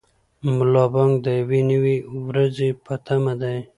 ملا بانګ د یوې نوې ورځې په تمه دی.